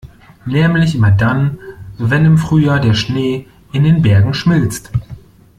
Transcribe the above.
Nämlich immer dann, wenn im Frühjahr der Schnee in den Bergen schmilzt.